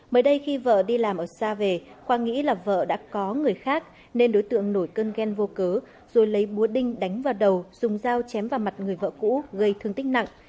mới đây khi vợ đi làm ở xa về khoa nghĩ là vợ đã có người khác nên đối tượng nổi cơn ghen vô cớ rồi lấy búa đinh đánh vào đầu dùng dao chém vào mặt người vợ cũ gây thương tích nặng